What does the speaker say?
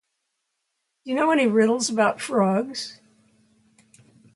Do you know any riddles about frogs?